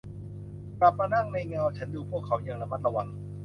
กลับมานั่งในเงาฉันดูพวกเขาอย่างระมัดระวัง